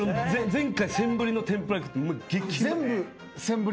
前回センブリの天ぷら食って。